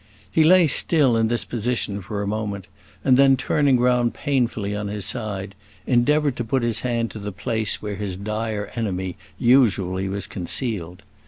He lay still in this position for a moment, and then, turning round painfully on his side, endeavoured to put his hand to the place where his dire enemy usually was concealed.